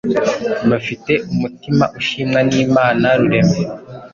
Bafite umutima ushimwa n’ Imana rurema